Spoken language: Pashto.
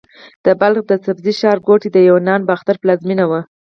د بلخ د سبزې ښارګوټي د یوناني باختر پلازمېنه وه